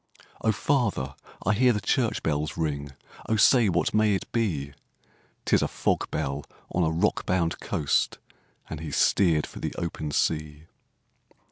'O father! I hear the church bells ring, O say, what may it be?' ''Tis a fog bell, on a rock bound coast!' And he steer'd for the open sea.